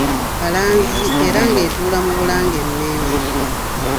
Kalanzi era ng'etuula mu Bulange e Mmengo.